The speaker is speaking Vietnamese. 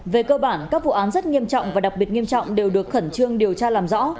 về cơ bản các vụ án rất nghiêm trọng và đặc biệt nghiêm trọng đều được khẩn trương điều tra làm rõ